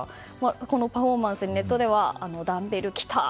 このパフォーマンスにネットではダンベルキター！